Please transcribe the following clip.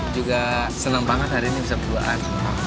juga seneng banget hari ini bisa berduaan